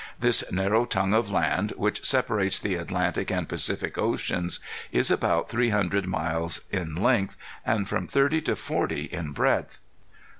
This narrow tongue of land, which separates the Atlantic and Pacific oceans, is about three hundred miles in length, and from thirty to forty in breadth.